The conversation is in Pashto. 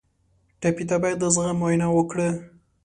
ټپي ته باید د زغم وینا وکړو.